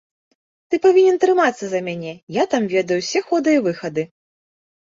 Ты павінен трымацца за мяне, я там ведаю ўсе ходы і выхады.